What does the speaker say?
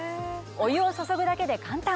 お湯を注ぐだけで簡単。